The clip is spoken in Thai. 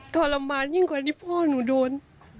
ทรมานยิ่งกว่าที่พ่อหนูโดน